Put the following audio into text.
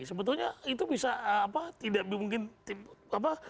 sebetulnya itu bisa apa tidak mungkin apa